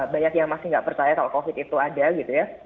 banyak yang masih nggak percaya kalau covid itu ada gitu ya